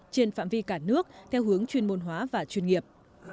trên phạm vi cả nước theo hướng chuyên môn hóa và chuyên nghiệp